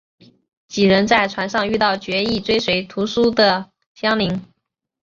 几人在船上遇到决意追随屠苏的襄铃。